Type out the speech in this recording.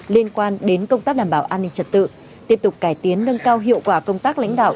liên quan đến công tác đảm bảo an ninh trật tự tiếp tục cải tiến nâng cao hiệu quả công tác lãnh đạo